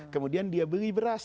kemudian dia beli beras